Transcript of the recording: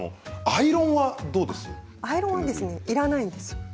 アイロンはいらないんです。